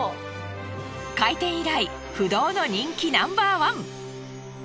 開店以来不動の人気ナンバーワン。